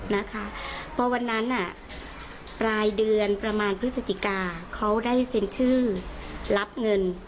นะคะพอวันนั้นปลายเดือนประมาณพฤศจิกาเขาได้เซ็นชื่อรับเงิน